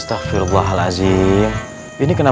travelling kemana di sana